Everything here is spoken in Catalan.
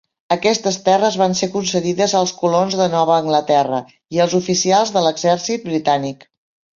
Aquestes terres van ser concedides als colons de Nova Anglaterra i als oficials de l'exèrcit britànic.